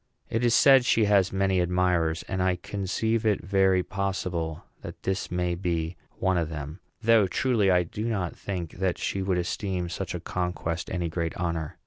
It is said she has many admirers, and I conceive it very possible that this may be one of them; though, truly, I do not think that she would esteem such a conquest any great honor.